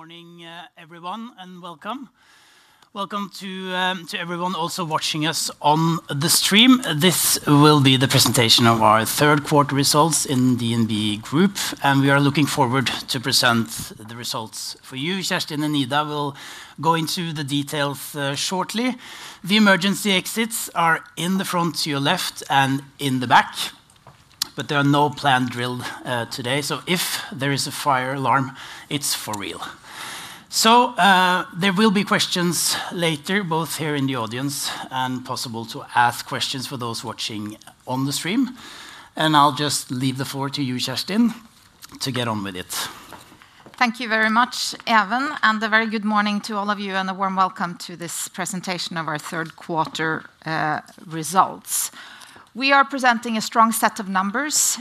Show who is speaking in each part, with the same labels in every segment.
Speaker 1: Good morning, everyone, and welcome. Welcome to everyone also watching us on the stream. This will be the presentation of our third-quarter results in the DNB Group, and we are looking forward to presenting the results for you. Kjerstin and Ida will go into the details shortly. The emergency exits are in the front to your left and in the back, but there are no planned drills today. If there is a fire alarm, it's for real. There will be questions later, both here in the audience and possible to ask questions for those watching on the stream. I'll just leave the floor to you, Kjerstin, to get on with it.
Speaker 2: Thank you very much, Even, and a very good morning to all of you, and a warm welcome to this presentation of our third-quarter results. We are presenting a strong set of numbers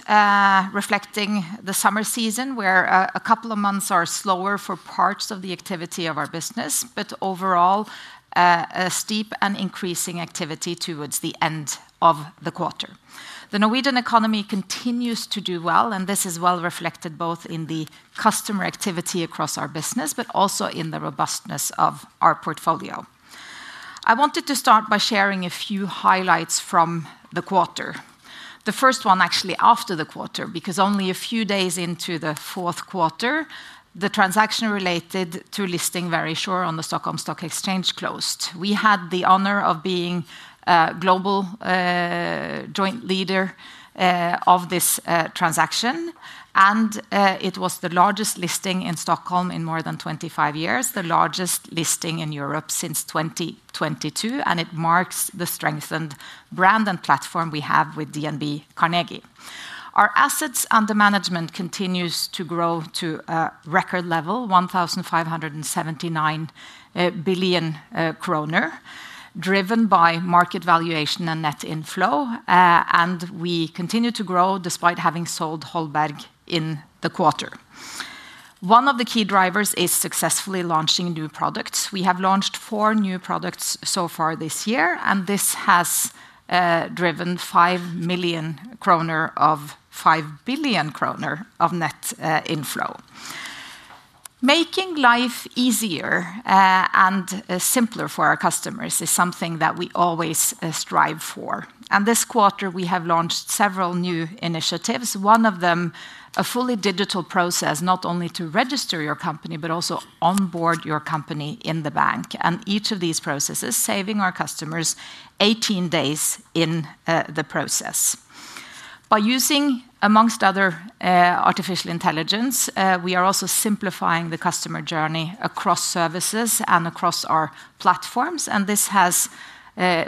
Speaker 2: reflecting the summer season, where a couple of months are slower for parts of the activity of our business, but overall, a steep and increasing activity towards the end of the quarter. The Norwegian economy continues to do well, and this is well reflected both in the customer activity across our business, but also in the robustness of our portfolio. I wanted to start by sharing a few highlights from the quarter. The first one actually after the quarter, because only a few days into the fourth quarter, the transaction related to listing Verisure on the Stockholm Stock Exchange closed. We had the honor of being a global joint leader of this transaction, and it was the largest listing in Stockholm in more than 25 years, the largest listing in Europe since 2022, and it marks the strengthened brand and platform we have with DNB Carnegie. Our assets under management continue to grow to a record level: 1,579 billion kroner, driven by market valuation and net inflow, and we continue to grow despite having sold whole bag in the quarter. One of the key drivers is successfully launching new products. We have launched four new products so far this year, and this has driven 5 billion kroner of net inflow. Making life easier and simpler for our customers is something that we always strive for, and this quarter we have launched several new initiatives. One of them, a fully digital process, not only to register your company, but also onboard your company in the bank, and each of these processes saving our customers 18 days in the process. By using, amongst others, artificial intelligence, we are also simplifying the customer journey across services and across our platforms, and this has,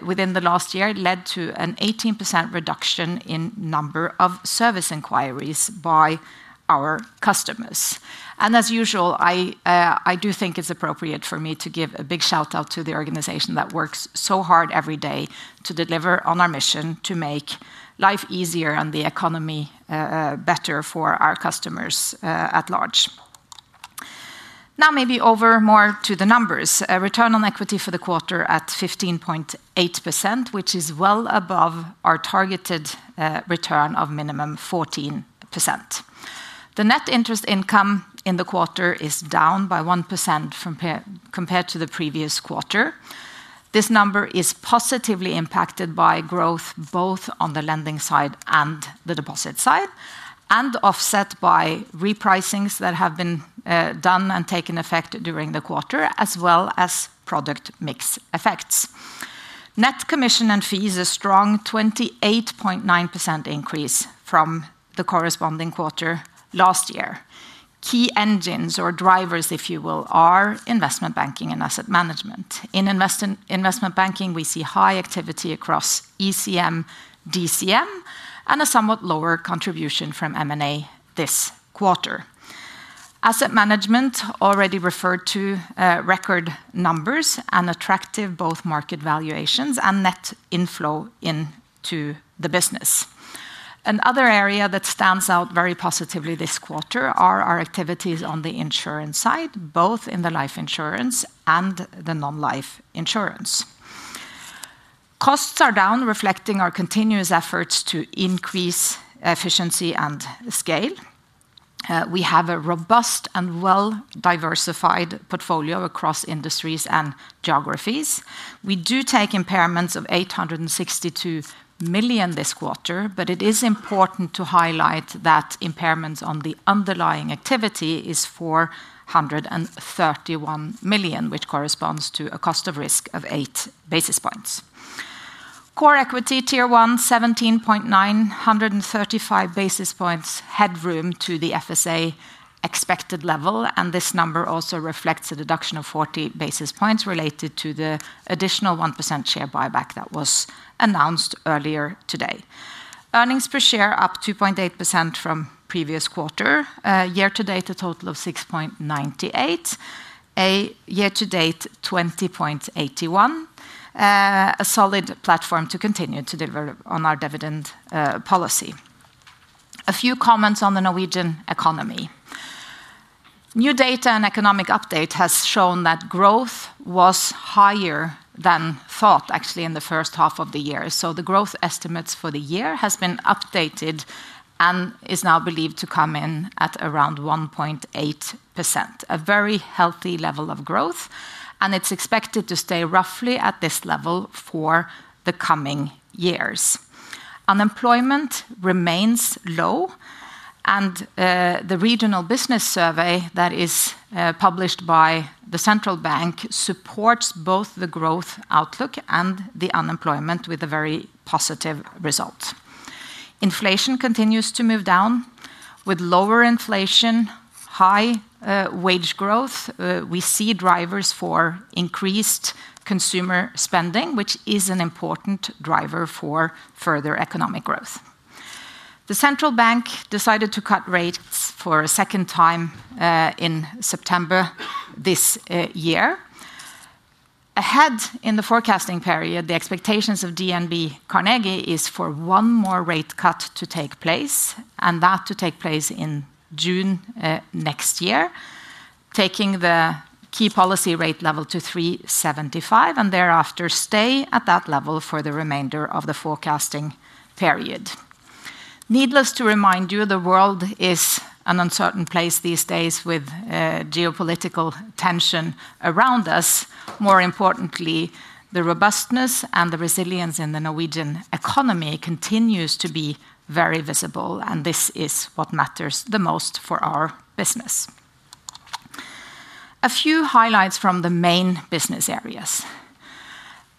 Speaker 2: within the last year, led to an 18% reduction in the number of service enquiries by our customers. As usual, I do think it's appropriate for me to give a big shout out to the organization that works so hard every day to deliver on our mission to make life easier and the economy better for our customers at large. Now, maybe over more to the numbers. Return on equity for the quarter at 15.8%, which is well above our targeted return of minimum 14%. The net interest income in the quarter is down by 1% compared to the previous quarter. This number is positively impacted by growth both on the lending side and the deposit side, and offset by repricings that have been done and taken effect during the quarter, as well as product mix effects. Net commission and fee income, a strong 28.9% increase from the corresponding quarter last year. Key engines or drivers, if you will, are investment banking and asset management. In investment banking, we see high activity across ECM, DCM, and a somewhat lower contribution from M&A this quarter. Asset management, already referred to, record numbers and attractive both market valuations and net inflow into the business. Another area that stands out very positively this quarter are our activities on the insurance side, both in the life insurance and the non-life insurance. Costs are down, reflecting our continuous efforts to increase efficiency and scale. We have a robust and well-diversified portfolio across industries and geographies. We do take impairments of 862 million this quarter, but it is important to highlight that impairments on the underlying activity are 431 million, which corresponds to a cost of risk of 8 basis points. Core equity tier 1, 17.9%, 135 basis points headroom to the FSA expected level, and this number also reflects a deduction of 40 basis points related to the additional 1% share buyback that was announced earlier today. Earnings per share up 2.8% from the previous quarter, year to date a total of 6.98, year to date 20.81, a solid platform to continue to deliver on our dividend policy. A few comments on the Norwegian economy. New data and economic update have shown that growth was higher than thought, actually, in the first half of the year, so the growth estimates for the year have been updated and are now believed to come in at around 1.8%, a very healthy level of growth, and it's expected to stay roughly at this level for the coming years. Unemployment remains low, and the regional business survey that is published by the central bank supports both the growth outlook and the unemployment with a very positive result. Inflation continues to move down, with lower inflation, high wage growth. We see drivers for increased consumer spending, which is an important driver for further economic growth. The central bank decided to cut rates for a second time in September this year. Ahead in the forecasting period, the expectations of DNB Carnegie are for one more rate cut to take place, and that to take place in June next year, taking the key policy rate level to 3.75%, and thereafter stay at that level for the remainder of the forecasting period. Needless to remind you, the world is an uncertain place these days with geopolitical tension around us. More importantly, the robustness and the resilience in the Norwegian economy continue to be very visible, and this is what matters the most for our business. A few highlights from the main business areas.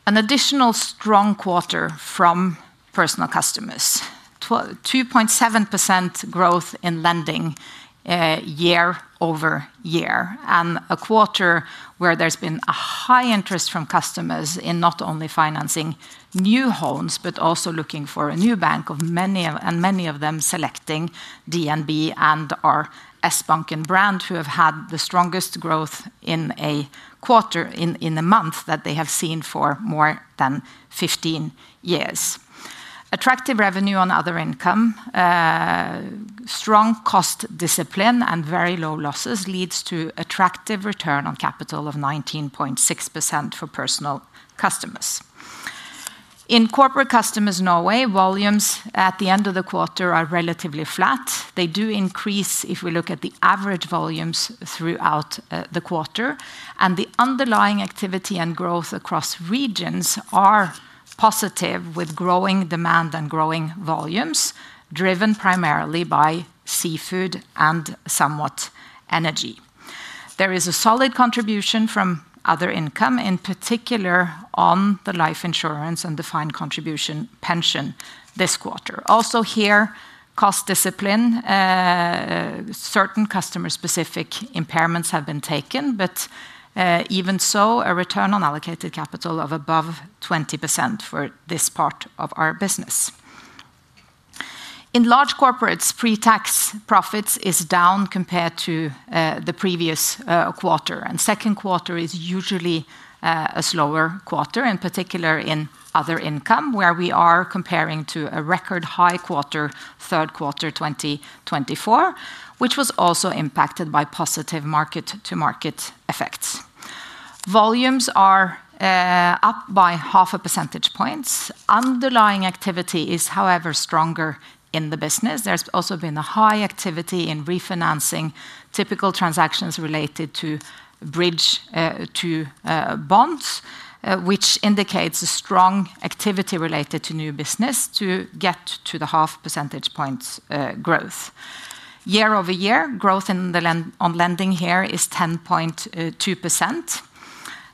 Speaker 2: An additional strong quarter from personal customers, 2.7% growth in lending year over year, and a quarter where there's been a high interest from customers in not only financing new homes, but also looking for a new bank, and many of them selecting DNB and our S-Banking brand, who have had the strongest growth in a quarter, in a month that they have seen for more than 15 years. Attractive revenue on other income, strong cost discipline, and very low losses lead to attractive return on capital of 19.6% for personal customers. In corporate customers Norway, volumes at the end of the quarter are relatively flat. They do increase if we look at the average volumes throughout the quarter, and the underlying activity and growth across regions are positive, with growing demand and growing volumes, driven primarily by seafood and somewhat energy. There is a solid contribution from other income, in particular on the life insurance and defined contribution pension this quarter. Also here, cost discipline, certain customer-specific impairments have been taken, but even so, a return on allocated capital of above 20% for this part of our business. In large corporates, pre-tax profits are down compared to the previous quarter, and the second quarter is usually a slower quarter, in particular in other income, where we are comparing to a record high quarter, third quarter 2024, which was also impacted by positive market-to-market effects. Volumes are up by half a percentage point. Underlying activity is, however, stronger in the business. There's also been a high activity in refinancing typical transactions related to bridge to bonds, which indicates a strong activity related to new business to get to the half percentage point growth. Year over year, growth on lending here is 10.2%.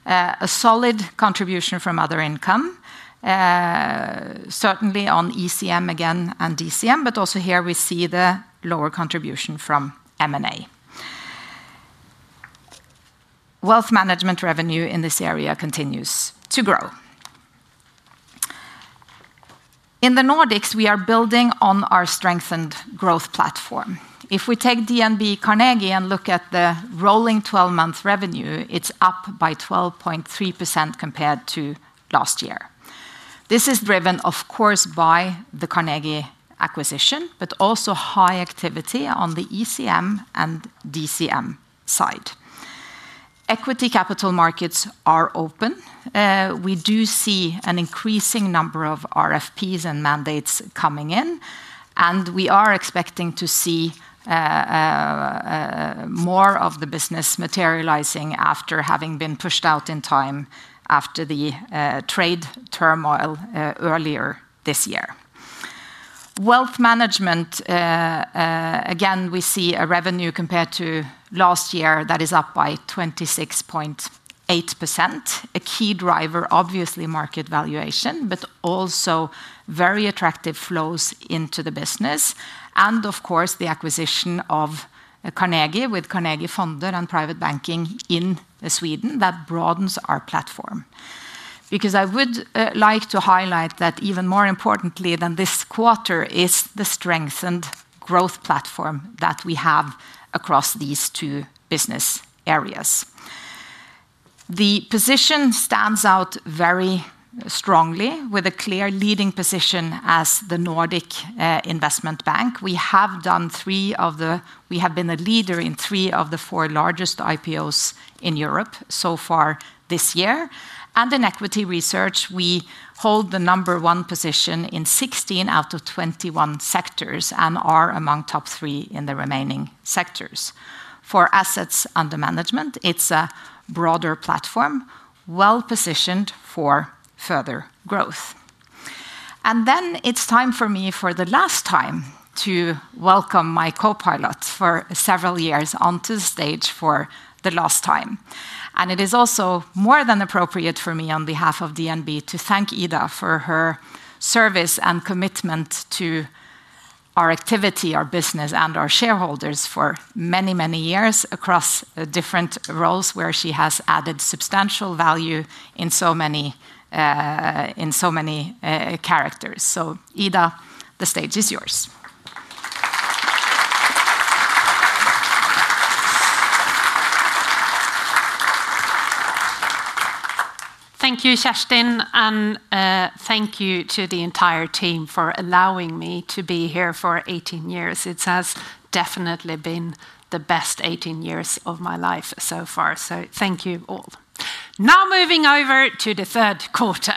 Speaker 2: A solid contribution from other income, certainly on ECM again and DCM, but also here we see the lower contribution from M&A. Wealth management revenue in this area continues to grow. In the Nordics, we are building on our strengthened growth platform. If we take DNB Carnegie and look at the rolling 12-month revenue, it's up by 12.3% compared to last year. This is driven, of course, by the Carnegie acquisition, but also high activity on the ECM and DCM side. Equity capital markets are open. We do see an increasing number of RFPs and mandates coming in, and we are expecting to see more of the business materializing after having been pushed out in time after the trade turmoil earlier this year. Wealth management, again, we see a revenue compared to last year that is up by 26.8%, a key driver, obviously market valuation, but also very attractive flows into the business, and of course, the acquisition of Carnegie with Carnegie Fonder and private banking in Sweden that broadens our platform. I would like to highlight that even more importantly than this quarter is the strengthened growth platform that we have across these two business areas. The position stands out very strongly with a clear leading position as the Nordic investment bank. We have done three of the, we have been a leader in three of the four largest IPOs in Europe so far this year, and in equity research, we hold the number one position in 16 out of 21 sectors and are among top three in the remaining sectors. For assets under management, it's a broader platform, well positioned for further growth. It's time for me, for the last time, to welcome my co-pilot for several years onto the stage for the last time, and it is also more than appropriate for me on behalf of DNB to thank Ida for her service and commitment to our activity, our business, and our shareholders for many, many years across different roles where she has added substantial value in so many characters. Ida, the stage is yours. Thank you, Kjerstin, and thank you to the entire team for allowing me to be here for 18 years. It has definitely been the best 18 years of my life so far, so thank you all. Now moving over to the third quarter,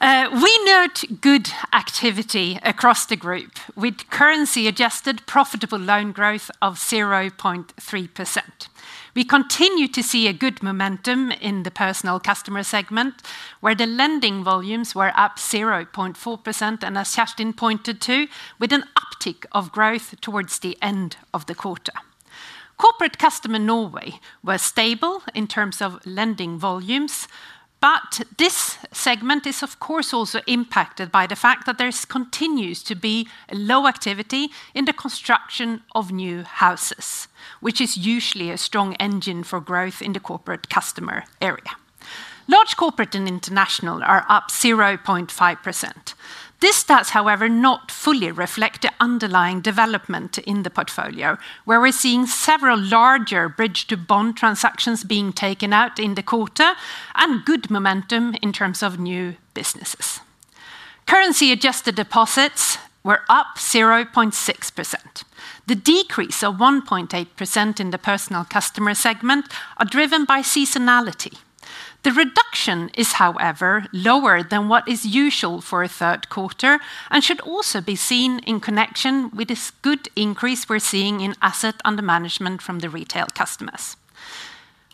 Speaker 2: we note good activity across the group, with currency-adjusted profitable loan growth of 0.3%. We continue to see a good momentum in the personal customer segment, where the lending volumes were up 0.4%, and as Kjerstin pointed to, with an uptick of growth towards the end of the quarter. Corporate customer Norway was stable in terms of lending volumes, but this segment is, of course, also impacted by the fact that there continues to be low activity in the construction of new houses, which is usually a strong engine for growth in the corporate customer area. Large corporate and international are up 0.5%. This does, however, not fully reflect the underlying development in the portfolio, where we're seeing several larger bridge-to-bond transactions being taken out in the quarter and good momentum in terms of new businesses. Currency-adjusted deposits were up 0.6%. The decrease of 1.8% in the personal customer segment is driven by seasonality. The reduction is, however, lower than what is usual for a third quarter and should also be seen in connection with this good increase we're seeing in assets under management from the retail customers.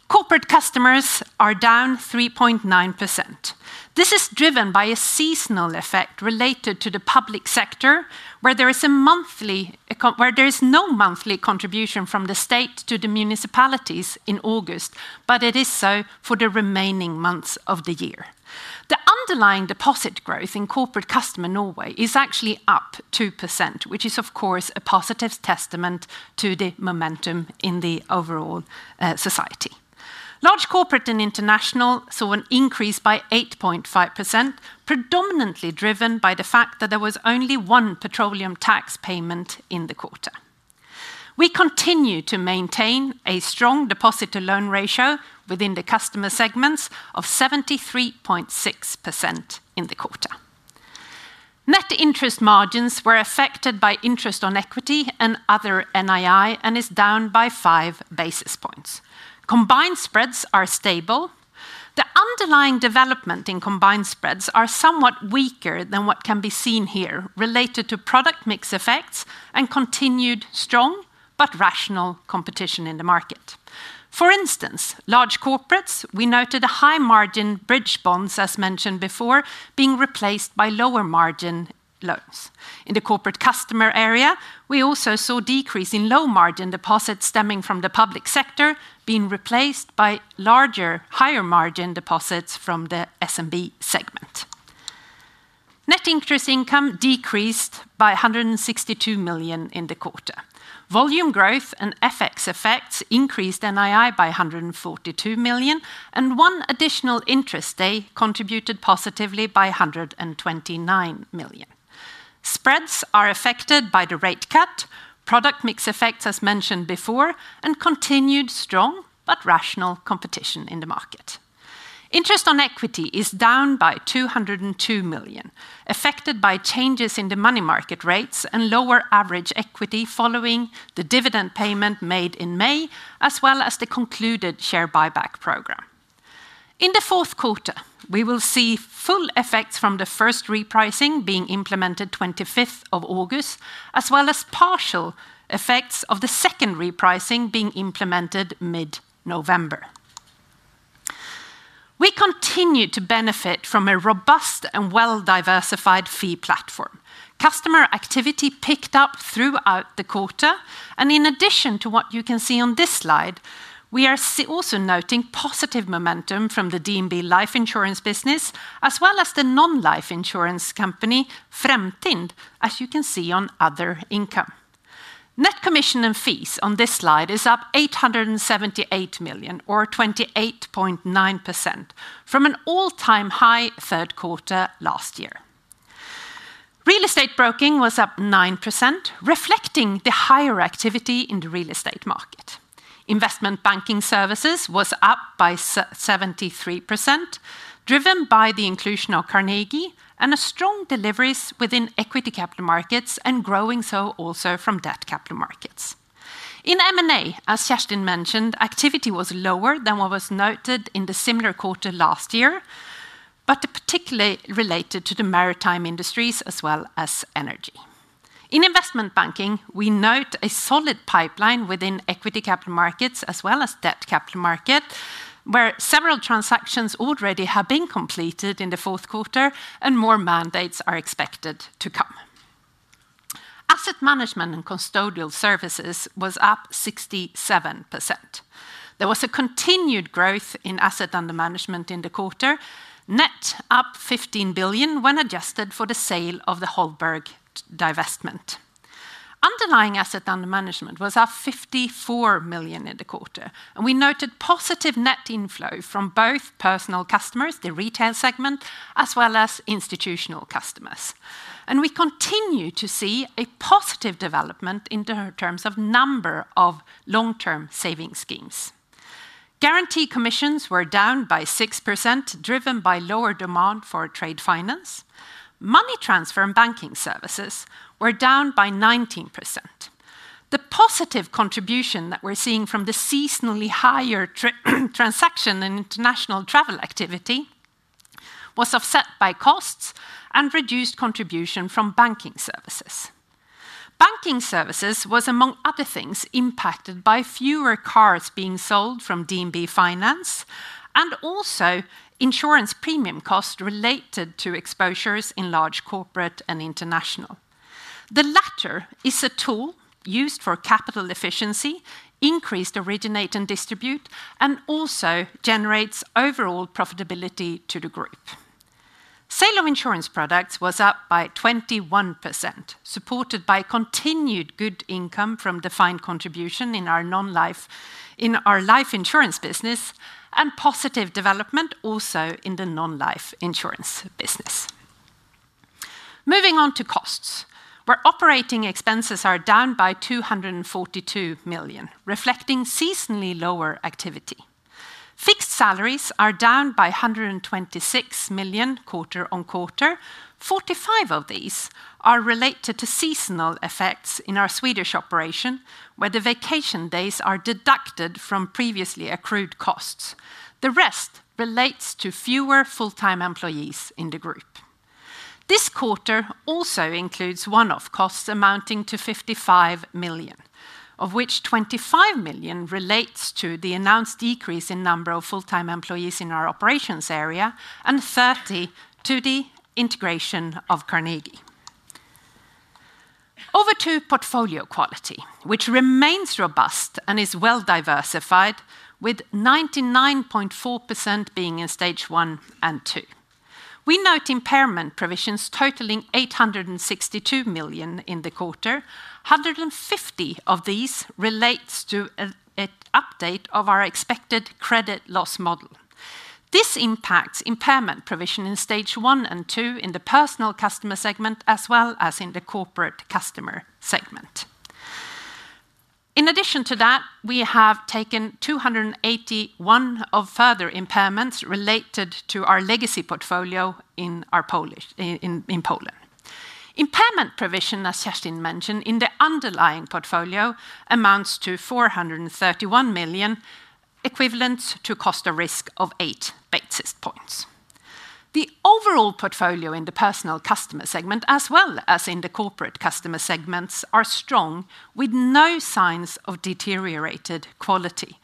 Speaker 2: Corporate customers are down 3.9%. This is driven by a seasonal effect related to the public sector, where there is no monthly contribution from the state to the municipalities in August, but it is so for the remaining months of the year. The underlying deposit growth in corporate customer Norway is actually up 2%, which is, of course, a positive testament to the momentum in the overall society. Large corporate and international saw an increase by 8.5%, predominantly driven by the fact that there was only one petroleum tax payment in the quarter. We continue to maintain a strong deposit-to-loan ratio within the customer segments of 73.6% in the quarter. Net interest margins were affected by interest on equity and other NII and are down by 5 basis points. Combined spreads are stable. The underlying development in combined spreads is somewhat weaker than what can be seen here, related to product mix effects and continued strong but rational competition in the market. For instance, large corporates, we noted a high margin bridge bonds, as mentioned before, being replaced by lower margin loans. In the corporate customer area, we also saw a decrease in low margin deposits stemming from the public sector being replaced by larger, higher margin deposits from the SMB segment. Net interest income decreased by 162 million in the quarter. Volume growth and FX effects increased NII by 142 million, and one additional interest day contributed positively by 129 million. Spreads are affected by the rate cut, product mix effects, as mentioned before, and continued strong but rational competition in the market. Interest on equity is down by 202 million, affected by changes in the money market rates and lower average equity following the dividend payment made in May, as well as the concluded share buyback program. In the fourth quarter, we will see full effects from the first repricing being implemented 25th of August, as well as partial effects of the second repricing being implemented mid-November. We continue to benefit from a robust and well-diversified fee platform. Customer activity picked up throughout the quarter, and in addition to what you can see on this slide, we are also noting positive momentum from the DNB life insurance business, as well as the non-life insurance company Fremtind, as you can see on other income. Net commission and fees on this slide are up 878 million, or 28.9%, from an all-time high third quarter last year. Real estate broking was up 9%, reflecting the higher activity in the real estate market. Investment banking services were up by 73%, driven by the inclusion of Carnegie and strong deliveries within equity capital markets and growing so also from debt capital markets. In M&A, as Kjerstin Braathen mentioned, activity was lower than what was noted in the similar quarter last year, but particularly related to the maritime industries as well as energy. In investment banking, we note a solid pipeline within equity capital markets as well as debt capital market, where several transactions already have been completed in the fourth quarter, and more mandates are expected to come. Asset management and custodial services were up 67%. There was a continued growth in assets under management in the quarter, net up 15 billion when adjusted for the sale of the Holberg divestment. Underlying assets under management was up 54 million in the quarter, and we noted positive net inflow from both personal customers, the retail segment, as well as institutional customers. We continue to see a positive development in terms of the number of long-term savings schemes. Guaranteed commissions were down by 6%, driven by lower demand for trade finance. Money transfer and banking services were down by 19%. The positive contribution that we're seeing from the seasonally higher transaction and international travel activity was offset by costs and reduced contribution from banking services. Banking services were among other things impacted by fewer cars being sold from DNB Finance and also insurance premium costs related to exposures in large corporate and international. The latter is a tool used for capital efficiency, increased originate and distribute, and also generates overall profitability to the group. Sale of insurance products was up by 21%, supported by continued good income from defined contribution in our life insurance business and positive development also in the non-life insurance business. Moving on to costs, where operating expenses are down by 242 million, reflecting seasonally lower activity. Fixed salaries are down by 126 million quarter on quarter. 45 million of these are related to seasonal effects in our Swedish operation, where the vacation days are deducted from previously accrued costs. The rest relates to fewer full-time employees in the group. This quarter also includes one-off costs amounting to 55 million, of which 25 million relates to the announced decrease in the number of full-time employees in our operations area and 30 million to the integration of Carnegie. Over to portfolio quality, which remains robust and is well-diversified, with 99.4% being in stage one and two. We note impairment provisions totaling 862 million in the quarter. 150 million of these relate to an update of our expected credit loss model. This impacts impairment provision in stage one and two in the personal customer segment as well as in the corporate customer segment. In addition to that, we have taken 281 million of further impairments related to our legacy portfolio in Poland. Impairment provision, as Kjerstin Braathen mentioned, in the underlying portfolio amounts to 431 million, equivalent to a cost of risk of 8 basis points. The overall portfolio in the personal customer segment, as well as in the corporate customer segments, is strong with no signs of deteriorated quality.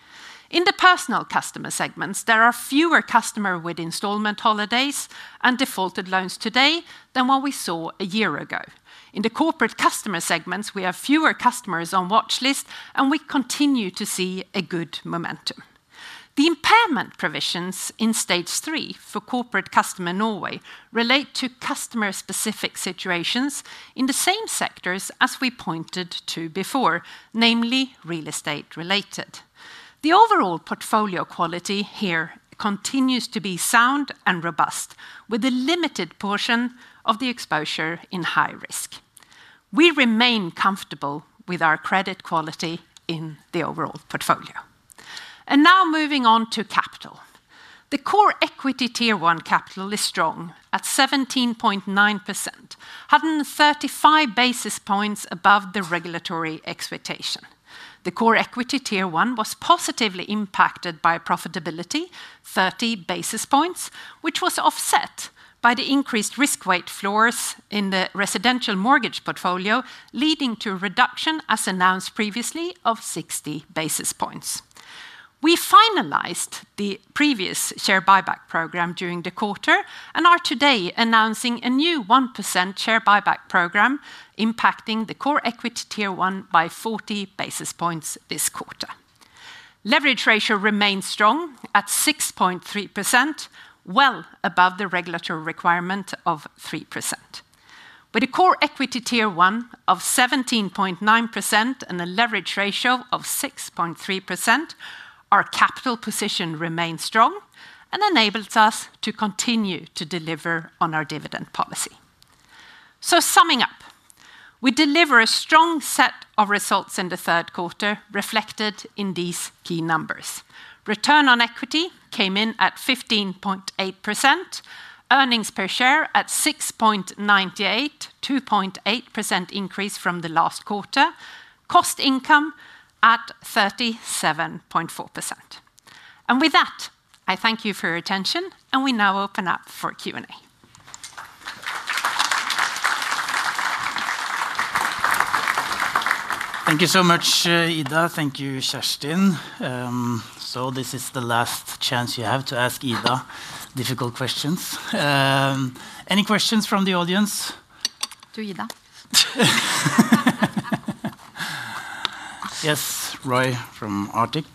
Speaker 2: In the personal customer segments, there are fewer customers with installment holidays and defaulted loans today than what we saw a year ago. In the corporate customer segments, we have fewer customers on watchlist, and we continue to see a good momentum. The impairment provisions in stage three for corporate customer Norway relate to customer-specific situations in the same sectors as we pointed to before, namely real estate related. The overall portfolio quality here continues to be sound and robust, with a limited portion of the exposure in high risk. We remain comfortable with our credit quality in the overall portfolio. Now moving on to capital. The core equity tier 1 ratio is strong at 17.9%, 135 basis points above the regulatory expectation. The core equity tier 1 was positively impacted by profitability, 30 basis points, which was offset by the increased risk weight floors in the residential mortgage portfolio, leading to a reduction, as announced previously, of 60 basis points. We finalized the previous share buyback program during the quarter and are today announcing a new 1% share buyback program, impacting the core equity tier 1 by 40 basis points this quarter. Leverage ratio remains strong at 6.3%, well above the regulatory requirement of 3%. With a core equity tier 1 of 17.9% and a leverage ratio of 6.3%, our capital position remains strong and enables us to continue to deliver on our dividend policy. Summing up, we deliver a strong set of results in the third quarter reflected in these key numbers. Return on equity came in at 15.8%, earnings per share at 6.98, 2.8% increase from the last quarter, cost income at 37.4%. With that, I thank you for your attention, and we now open up for Q&A.
Speaker 1: Thank you so much, Ida. Thank you, Kjerstin. This is the last chance you have to ask Ida difficult questions. Any questions from the audience? To Ida? Yes, Roy from Arctic.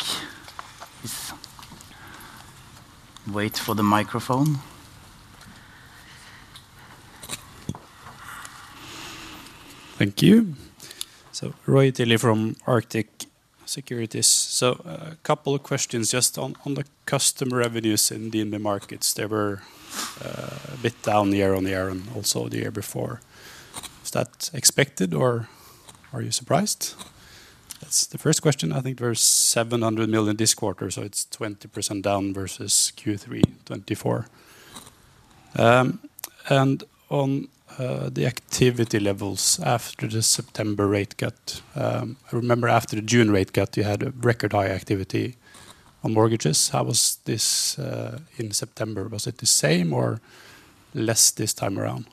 Speaker 1: Wait for the microphone.
Speaker 3: Thank you. Roy Tilly from Arctic Securities. A couple of questions just on the customer revenues in DNB Markets. They were a bit down year on year and also the year before. Is that expected or are you surprised? That's the first question. I think there's 700 million this quarter, so it's 20% down versus Q3 2024. On the activity levels after the September rate cut, I remember after the June rate cut, you had a record high activity on mortgages. How was this in September? Was it the same or less this time around?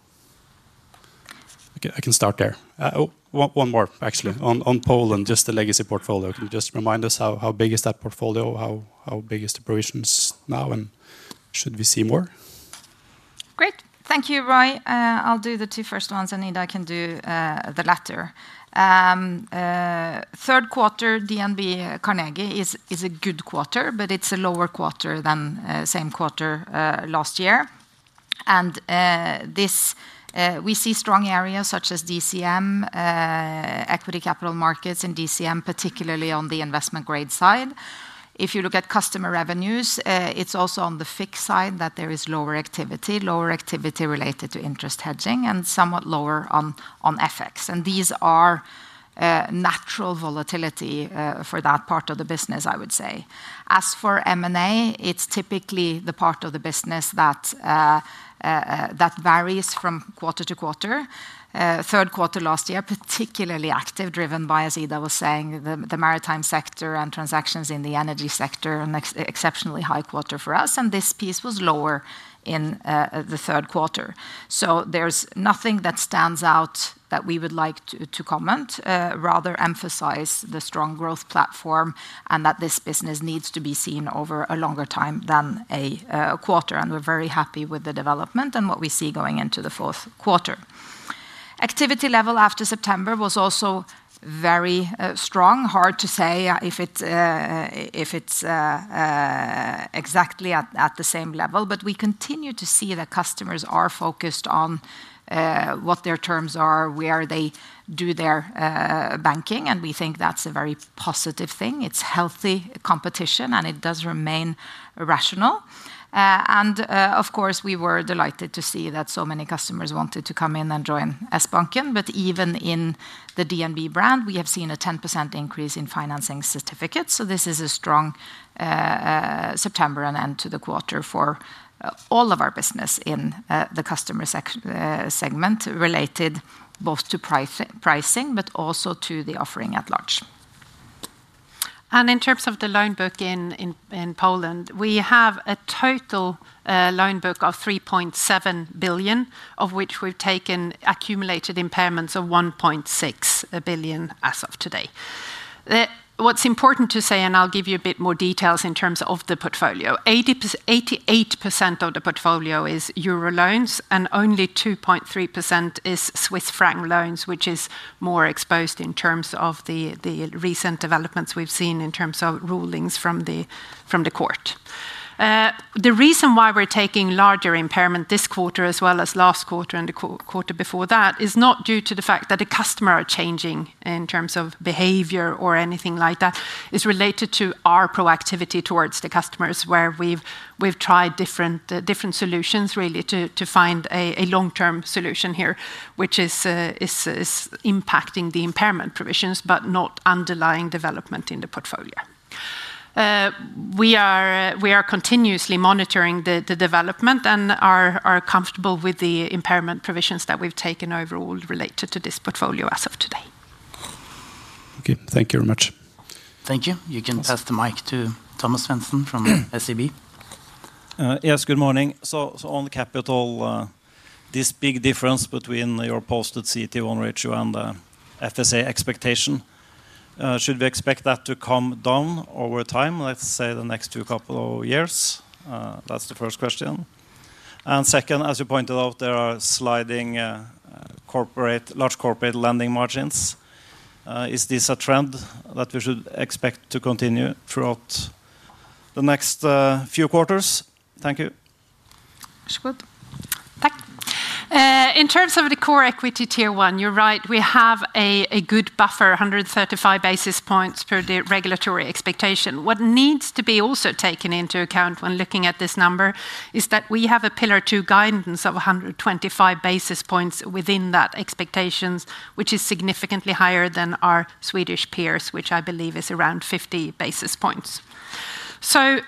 Speaker 3: I can start there. One more, actually. On Poland, just the legacy portfolio, can you just remind us how big is that portfolio? How big is the provisions now, and should we see more?
Speaker 1: Great. Thank you, Roy. I'll do the two first ones, and Ida can do the latter. Third quarter, DNB Carnegie is a good quarter, but it's a lower quarter than the same quarter last year. We see strong areas such as DCM, equity capital markets, and DCM particularly on the investment grade side. If you look at customer revenues, it's also on the fixed side that there is lower activity, lower activity related to interest hedging, and somewhat lower on FX. These are natural volatility for that part of the business, I would say. As for M&A, it's typically the part of the business that varies from quarter to quarter. Third quarter last year, particularly active, driven by, as Ida was saying, the maritime sector and transactions in the energy sector, an exceptionally high quarter for us, and this piece was lower in the third quarter. There's nothing that stands out that we would like to comment. Rather, emphasize the strong growth platform and that this business needs to be seen over a longer time than a quarter, and we're very happy with the development and what we see going into the fourth quarter. Activity level after September was also very strong. Hard to say if it's exactly at the same level, but we continue to see that customers are focused on what their terms are, where they do their banking, and we think that's a very positive thing. It's healthy competition, and it does remain rational. Of course, we were delighted to see that so many customers wanted to come in and join S-Banking, but even in the DNB brand, we have seen a 10% increase in financing certificates, so this is a strong September and end to the quarter for all of our business in the customer segment related both to pricing but also to the offering at large. In terms of the loan book in Poland, we have a total loan book of 3.7 billion, of which we've taken accumulated impairments of 1.6 billion as of today. What's important to say, and I'll give you a bit more details in terms of the portfolio, 88% of the portfolio is Euro loans and only 2.3% is Swiss franc loans, which is more exposed in terms of the recent developments we've seen in terms of rulings from the court. The reason why we're taking larger impairment this quarter as well as last quarter and the quarter before that is not due to the fact that the customers are changing in terms of behaviour or anything like that. It's related to our proactivity towards the customers where we've tried different solutions really to find a long-term solution here, which is impacting the impairment provisions but not underlying development in the portfolio. We are continuously monitoring the development and are comfortable with the impairment provisions that we've taken overall related to this portfolio as of today.
Speaker 3: Thank you very much.
Speaker 1: Thank you. You can pass the mic to Thomas Midteide from DNB Bank.
Speaker 3: Yes, good morning. On the capital, this big difference between your posted core equity tier 1 ratio and FSA expectation, should we expect that to come down over time, let's say the next two couple of years? That's the first question. Second, as you pointed out, there are sliding large corporate lending margins. Is this a trend that we should expect to continue throughout the next few quarters? Thank you.
Speaker 1: In terms of the core equity tier 1, you're right, we have a good buffer, 135 basis points per the regulatory expectation. What needs to be also taken into account when looking at this number is that we have a pillar 2 guidance of 125 basis points within that expectation, which is significantly higher than our Swedish peers, which I believe is around 50 basis points.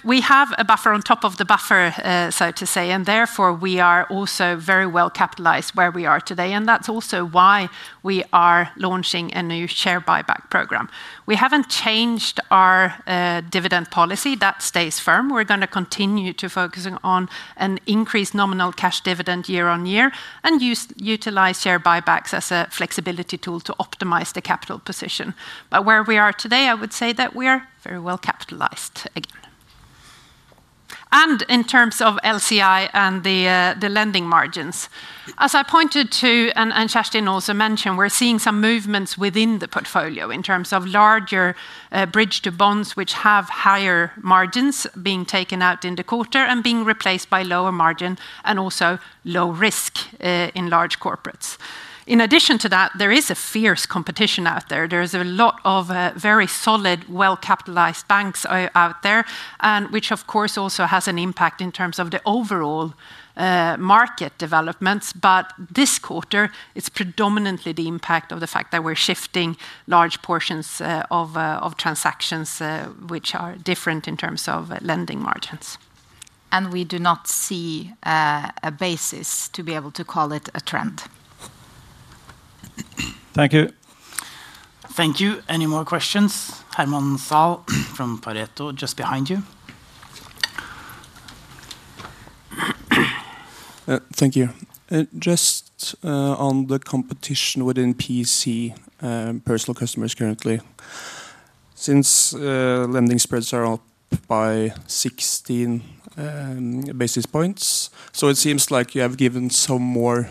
Speaker 1: We have a buffer on top of the buffer, so to say, and therefore we are also very well capitalized where we are today, and that's also why we are launching a new share buyback program. We haven't changed our dividend policy. That stays firm. We're going to continue to focus on an increased nominal cash dividend year on year and utilize share buybacks as a flexibility tool to optimize the capital position. Where we are today, I would say that we are very well capitalized again. In terms of LCI and the lending margins, as I pointed to and Kjerstin also mentioned, we're seeing some movements within the portfolio in terms of larger bridge-to-bonds, which have higher margins being taken out in the quarter and being replaced by lower margin and also low risk in large corporates. In addition to that, there is a fierce competition out there. There is a lot of very solid, well-capitalized banks out there, which of course also has an impact in terms of the overall market developments. This quarter is predominantly the impact of the fact that we're shifting large portions of transactions, which are different in terms of lending margins. We do not see a basis to be able to call it a trend.
Speaker 3: Thank you.
Speaker 1: Thank you. Any more questions? Herman Zahl from Pareto, just behind you.
Speaker 3: Thank you. Just on the competition within personal customers currently, since lending spreads are up by 16 basis points, it seems like you have given some more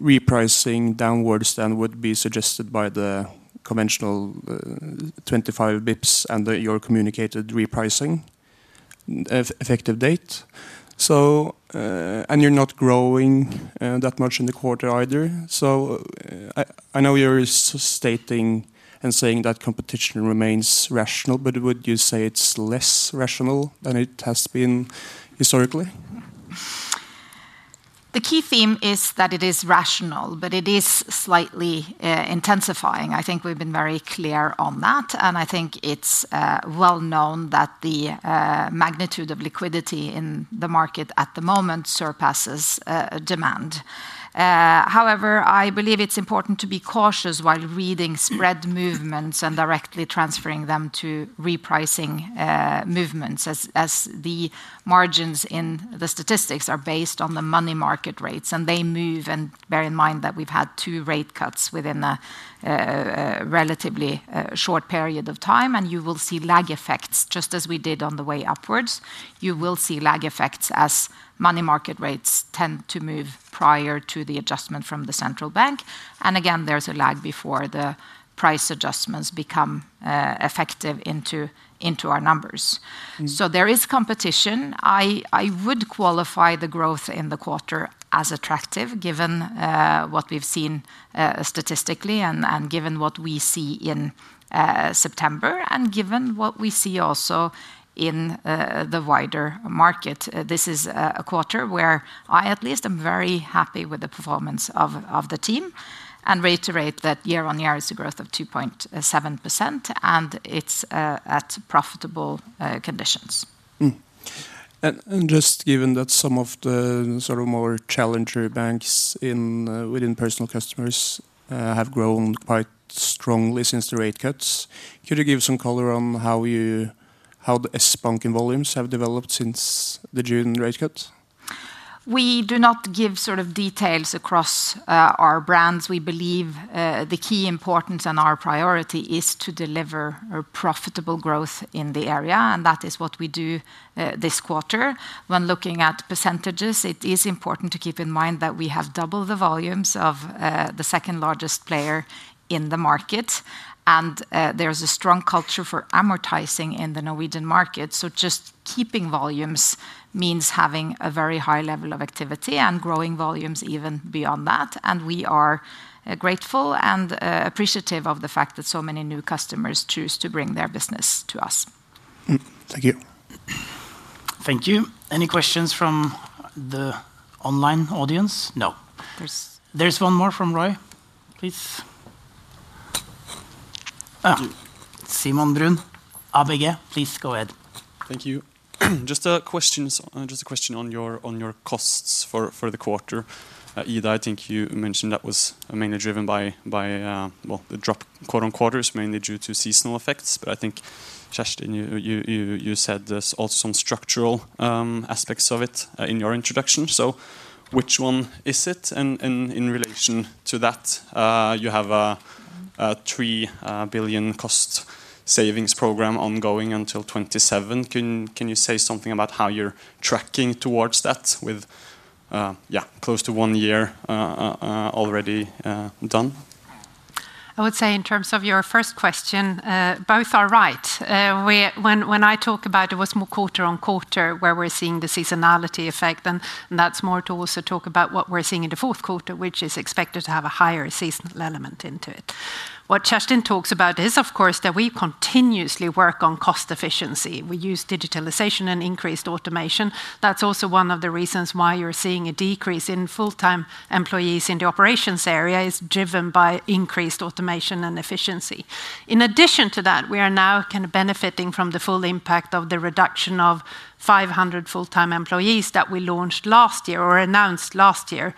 Speaker 3: repricing downwards than would be suggested by the conventional 25 bps and your communicated repricing effective date. You're not growing that much in the quarter either. I know you're stating and saying that competition remains rational, but would you say it's less rational than it has been historically?
Speaker 1: The key theme is that it is rational, but it is slightly intensifying. I think we've been very clear on that, and I think it's well known that the magnitude of liquidity in the market at the moment surpasses demand. However, I believe it's important to be cautious while reading spread movements and directly transferring them to repricing movements, as the margins in the statistics are based on the money market rates, and they move. Bear in mind that we've had two rate cuts within a relatively short period of time, and you will see lag effects just as we did on the way upwards. You will see lag effects as money market rates tend to move prior to the adjustment from the central bank, and again, there's a lag before the price adjustments become effective into our numbers. There is competition. I would qualify the growth in the quarter as attractive given what we've seen statistically and given what we see in September and given what we see also in the wider market. This is a quarter where I at least am very happy with the performance of the team and reiterate that year on year is a growth of 2.7%, and it's at profitable conditions.
Speaker 3: Given that some of the more challenger banks within personal customers have grown quite strongly since the rate cuts, could you give some color on how the S-Banking volumes have developed since the June rate cut?
Speaker 1: We do not give sort of details across our brands. We believe the key importance and our priority is to deliver profitable growth in the area, and that is what we do this quarter. When looking at %, it is important to keep in mind that we have doubled the volumes of the second largest player in the market, and there's a strong culture for amortising in the Norwegian market. Just keeping volumes means having a very high level of activity and growing volumes even beyond that, and we are grateful and appreciative of the fact that so many new customers choose to bring their business to us.
Speaker 3: Thank you.
Speaker 1: Thank you. Any questions from the online audience? No. There's one more from Roy, please. Simon Brun, ABG, please go ahead.
Speaker 3: Thank you. Just a question on your costs for the quarter. Ida, I think you mentioned that was mainly driven by the drop quarter on quarter, mainly due to seasonal effects, but I think Kjerstin, you said there's also some structural aspects of it in your introduction. Which one is it in relation to that? You have a 3 billion cost savings program ongoing until 2027. Can you say something about how you're tracking towards that with close to one year already done?
Speaker 1: I would say in terms of your first question, both are right. When I talk about it, it was more quarter on quarter where we're seeing the seasonality effect, and that's more to also talk about what we're seeing in the fourth quarter, which is expected to have a higher seasonal element into it. What Kjerstin Braathen talks about is, of course, that we continuously work on cost efficiency. We use digitalization and increased automation. That's also one of the reasons why you're seeing a decrease in full-time employees in the operations area, as it is driven by increased automation and efficiency. In addition to that, we are now kind of benefiting from the full impact of the reduction of 500 full-time employees that we launched last year or announced last year,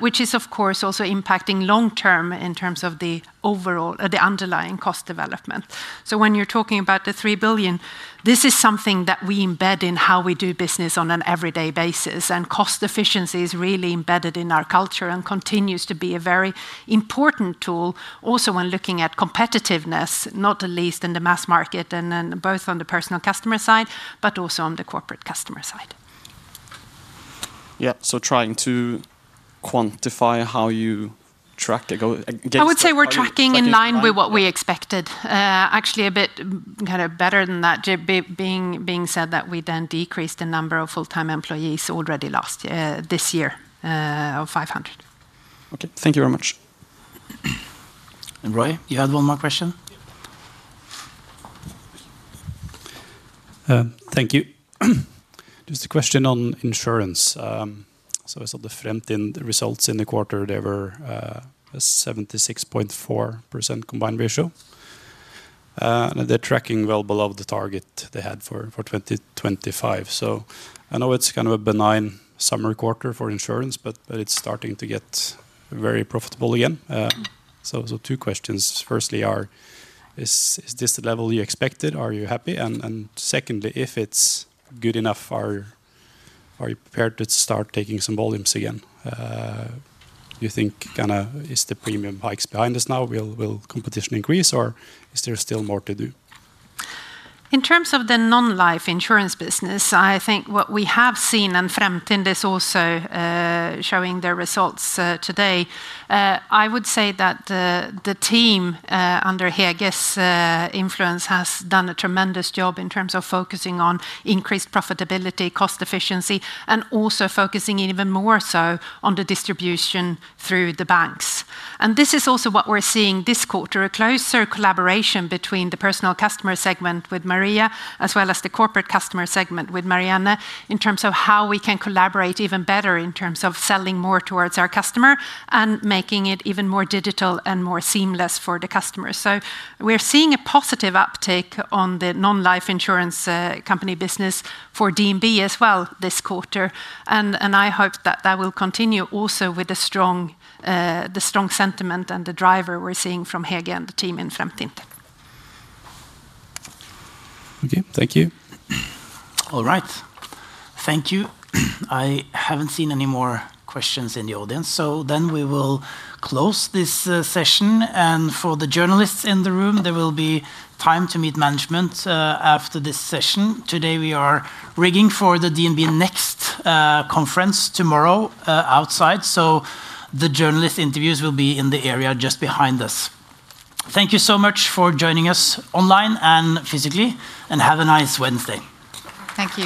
Speaker 1: which is, of course, also impacting long term in terms of the underlying cost development. When you're talking about the 3 billion, this is something that we embed in how we do business on an everyday basis, and cost efficiency is really embedded in our culture and continues to be a very important tool also when looking at competitiveness, not the least in the mass market and both on the personal customer side, but also on the corporate customer side.
Speaker 3: Yeah, trying to quantify how you track it.
Speaker 1: I would say we're tracking in line with what we expected, actually a bit kind of better than that, being said that we then decreased the number of full-time employees already this year by 500.
Speaker 3: Thank you very much.
Speaker 1: Roy, you had one more question.
Speaker 3: Thank you. Just a question on insurance. I saw the Fremtind results in the quarter. They were 76.4% combined ratio. They're tracking well below the target they had for 2025. I know it's kind of a benign summer quarter for insurance, but it's starting to get very profitable again. Two questions. Firstly, is this the level you expected? Are you happy? Secondly, if it's good enough, are you prepared to start taking some volumes again? Do you think kind of is the premium hikes behind us now? Will competition increase, or is there still more to do?
Speaker 1: In terms of the non-life insurance business, I think what we have seen and Fremtind is also showing their results today. I would say that the team under Hege's influence has done a tremendous job in terms of focusing on increased profitability, cost efficiency, and also focusing even more so on the distribution through the banks. This is also what we're seeing this quarter, a closer collaboration between the Personal Customer segment with Maria, as well as the Corporate Customer segment with Marianne, in terms of how we can collaborate even better in terms of selling more towards our customer and making it even more digital and more seamless for the customers. We're seeing a positive uptake on the non-life insurance company business for DNB as well this quarter, and I hope that that will continue also with the strong sentiment and the driver we're seeing from Hege and the team in Fremtind.
Speaker 3: Thank you.
Speaker 1: All right. Thank you. I haven't seen any more questions in the audience, so we will close this session, and for the journalists in the room, there will be time to meet management after this session. Today we are rigging for the DNB Next Conference tomorrow outside, so the journalist interviews will be in the area just behind us. Thank you so much for joining us online and physically, and have a nice Wednesday.
Speaker 2: Thank you.